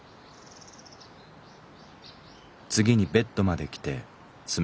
「次にベッドまで来て爪をとぐ。